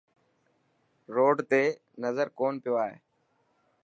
روڊ تي نظر ڪون پيو آئي.